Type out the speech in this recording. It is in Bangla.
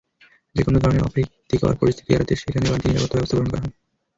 যেকোনো ধরনের অপ্রীতিকর পরিস্থিতি এড়াতে সেখানে বাড়তি নিরাপত্তাব্যবস্থা গ্রহণ করা হয়।